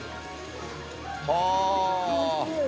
はあ。